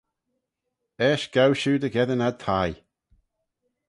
Eisht gow shiu dy gheddyn ad thie.